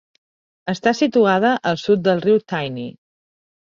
Esta situada al sud del riu Tyne.